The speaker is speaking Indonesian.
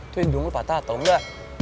tuh hidung lu patah atau engga